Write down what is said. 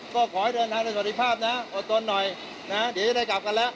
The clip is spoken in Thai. ก็ขอให้เดินทางโดยสวัสดีภาพนะอดทนหน่อยนะเดี๋ยวจะได้กลับกันแล้ว